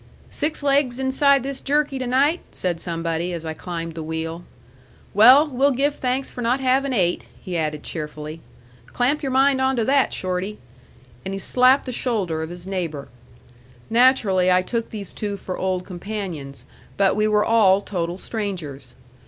"Six legs inside this jerky to night?" said somebody, as I climbed the wheel. "Well, we'll give thanks for not havin' eight," he added cheerfully. "Clamp your mind on to that, Shorty." And he slapped the shoulder of his neighbor. Naturally I took these two for old companions. But we were all total strangers.